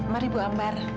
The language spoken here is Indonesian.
mari bu ambar